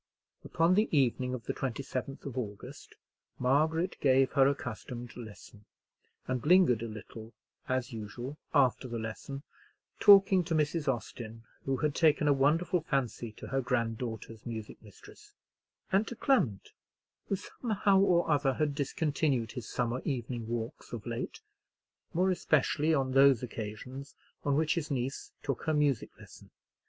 Upon the evening of the 27th August, Margaret gave her accustomed lesson, and lingered a little as usual after the lesson, talking to Mrs. Austin, who had taken a wonderful fancy to her granddaughter's music mistress; and to Clement, who somehow or other had discontinued his summer evening walks of late, more especially on those occasions on which his niece took her music lesson.